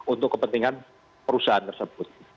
untuk kepentingan perusahaan tersebut